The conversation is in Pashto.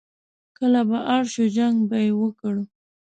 کله به اړ شو، جنګ به یې وکړ.